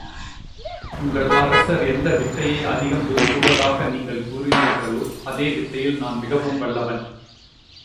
உங்கள் அரசர் எந்த வித்தையை அதிகம் விரும்புவதாக நீங்கள் கூறினர்களோ, அதே வித்தையில் நான் மிகவும் வல்லவன்.